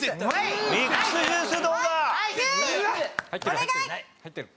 お願い！